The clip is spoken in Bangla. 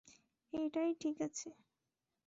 এটাই ঠিক আছে।